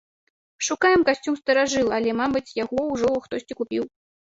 Шукаем касцюм-старажыл, але, мабыць, яго ўжо хтосьці купіў.